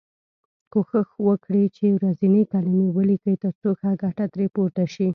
کوښښ وکړی چې ورځنۍ کلمې ولیکی تر څو ښه ګټه ترې پورته شی.